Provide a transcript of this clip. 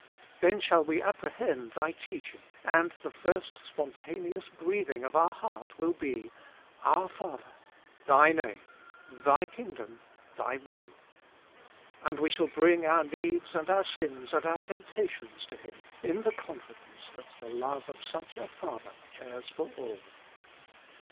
" Then shall we apprehend Thy teaching, and the first spontaneous breathing of our heart will be: "Our Father, Thy Name, Thy Kingdom, Thy Will." And we shall bring our needs and our sins and our temp tations to Him in the confidence that the love of such a Father cares for all.